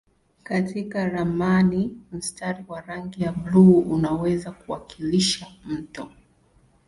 Katika ramani mstari wa rangi ya buluu unaweza kuwakilisha mto.